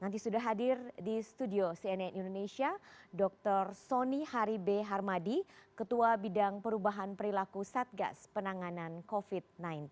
nanti sudah hadir di studio cnn indonesia dr sony haribe harmadi ketua bidang perubahan perilaku satgas penanganan covid sembilan belas